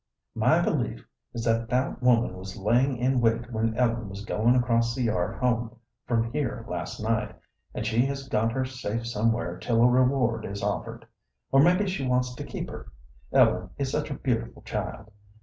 My belief is that that woman was laying in wait when Ellen was going across the yard home from here last night, and she has got her safe somewhere till a reward is offered. Or maybe she wants to keep her, Ellen is such a beautiful child.